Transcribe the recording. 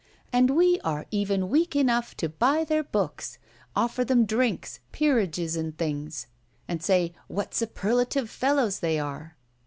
And we are even weak enough to buy their books; offer them drinks, peerages, and things; and say what superlative fellows they are!